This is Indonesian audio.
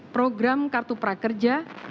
program kartu prakerja